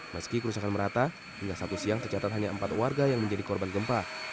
meski kerusakan merata hingga satu siang tercatat hanya empat warga yang menjadi korban gempa